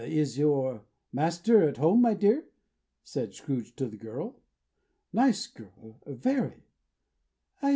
"Is your master at home, my dear?" said Scrooge to the girl. Nice girl! Very.